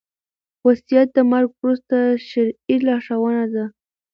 وصيت د مرګ وروسته شرعي لارښوونه ده